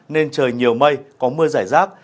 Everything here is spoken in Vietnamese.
nên trời nhiều mây có mưa rải rác